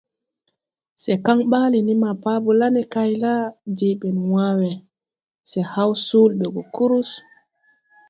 Se kaŋ ɓaale ne mapo la ne kay la, jee ɓɛn wãã we, se haw soole ɓe gɔ krus.